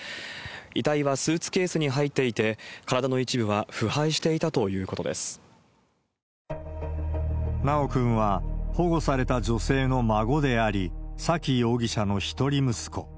遺体はスーツケースに入っていて、体の一部は腐敗していたというこ修くんは、保護された女性の孫であり、沙喜容疑者の一人息子。